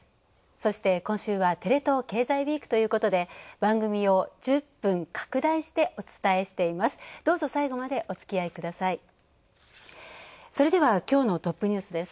そして、今週はテレ東経済ＷＥＥＫということで、番組を１０分拡大してお伝えしていきます。